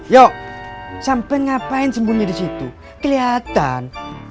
yuk sampai ngapain sembunyi disitu kelihatan